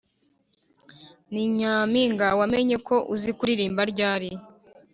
Ni Nyampinga Wamenye ko uzi kuririmba ryari?